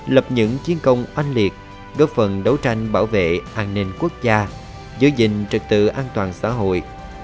lập những chiến công oanh liệt góp phần đấu tranh bảo vệ an ninh quốc gia giữ gìn trực tự an toàn xã hội